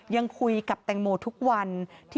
ยังคุยกับแตงโมทุกวัน